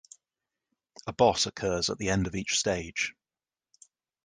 A boss occurs at the end of each stage.